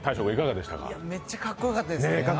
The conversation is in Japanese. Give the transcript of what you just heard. めっちゃかっこよかったですね。